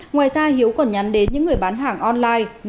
ngoài ra hiếu còn nhắm đến những người bán hàng online